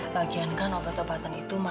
lagian kan obat obatan itu ma